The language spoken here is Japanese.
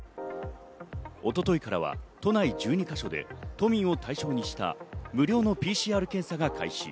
一昨日からは都内１２か所で都民を対象にした無料のＰＣＲ検査が開始。